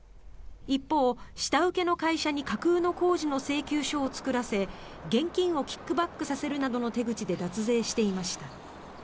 一方、下請けの会社に架空の工事の請求書を作らせ現金をキックバックさせるなどの手口で脱税していました。